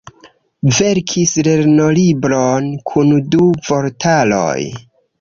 Verkis lernolibron kun du vortaroj.